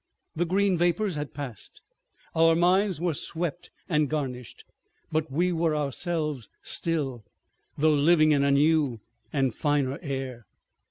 The Green Vapors had passed, our minds were swept and garnished, but we were ourselves still, though living in a new and finer air.